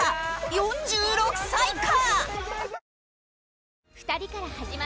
４６歳か？